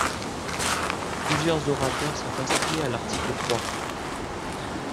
Plusieurs orateurs sont inscrits à l’article trois.